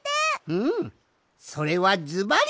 うんそれはずばり！